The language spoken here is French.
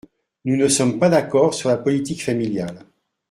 Nous ne sommes pas d’accord sur la politique familiale.